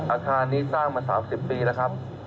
อาคารนี้สร้างมา๓๐ปีแล้วครับ